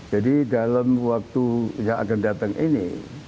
jadi dalam waktu yang akan datang ini